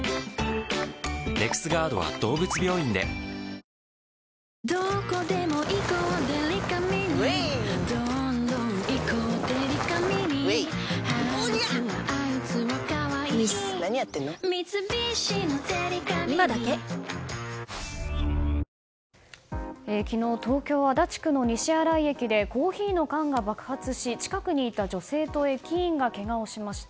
東京・銀座の地下通路で不審物があるとの情報があり昨日、東京・足立区の西新井駅でコーヒーの缶が爆発し近くにいた女性と駅員がけがをしました。